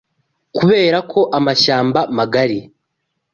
Kubera ko amashyamba magari